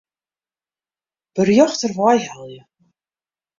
Berjocht dêrwei helje.